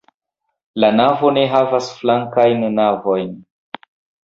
La navo ne havas flankajn navojn.